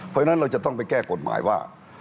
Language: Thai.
เพราะฉะนั้นเราจะต้องไปแก้กฎหมายว่า